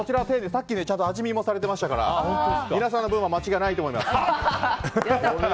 さっき味見もされてましたから皆さんの分は間違いないと思います。